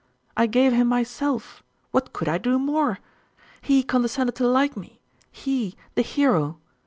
I gave him myself: what could I do more? He condescended to like me he the hero!